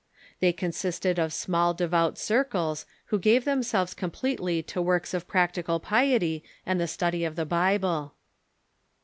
They consisted of small devout circles, who gave themselves completely to works of j^ractical piety and the study of the Bible.